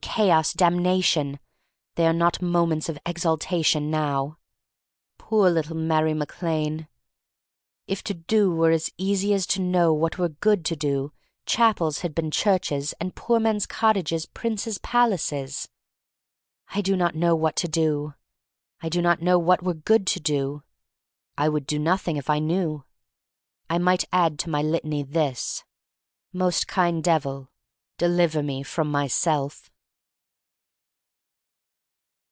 Chaos! Damnation! They are not moments of exaltation now. Poor little Mary Mac Lane! "If to do were as easy as to know what were good to do, chapels had been churches, and poor men's cottages princes' palaces." I do not know what to do. I do not know what were good to do. I would do nothing if I knew. I might add to my litany this: Most kind Devil, deliver me — from myself.